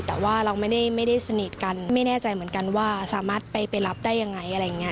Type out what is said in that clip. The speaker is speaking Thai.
แต่ว่าเราไม่ได้สนิทกันไม่แน่ใจเหมือนกันว่าสามารถไปรับได้ยังไงอะไรอย่างนี้